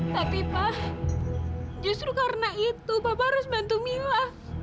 tapi pak justru karena itu bapak harus bantu mila